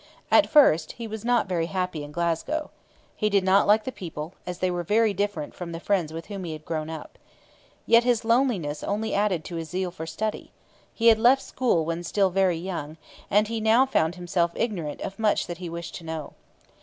At first he was not very happy in Glasgow. He did not like the people, as they were very different from the friends with whom he had grown up. Yet his loneliness only added to his zeal for study. He had left school when still very young, and he now found himself ignorant of much that he wished to know.